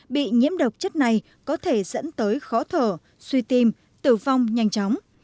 bị nhiễm độc chất này có thể dẫn tới khó thở suy tim tử vong nhanh chóng